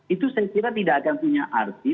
itu saya kira tidak akan punya arti